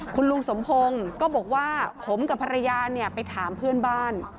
คุณลุงสมพงศ์ก็บอกว่าผมกับภรรยาเนี่ยไปถามเพื่อนบ้าน